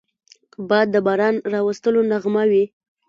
باد د باران راوستلو نغمه وي